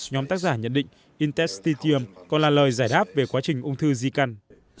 nhóm tác giả nhận định intes còn là lời giải đáp về quá trình ung thư di căn